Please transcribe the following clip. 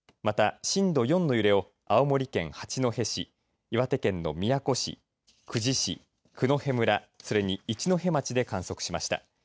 また震度４の揺れを青森県八戸市岩手県の宮古市、久慈市九戸村、それに一戸町で観測しました。